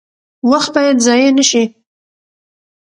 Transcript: وخت باید ضایع نشي